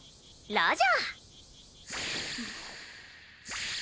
ラジャー！